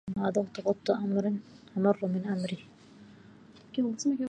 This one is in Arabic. ما ذقت قط أمر من أمري